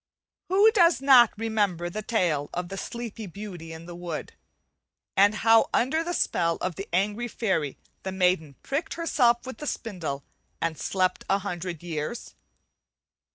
Who does not remember the tale of the "Sleeping Beauty in the Wood," and how under the spell of the angry fairy the maiden pricked herself with the spindle and slept a hundred years?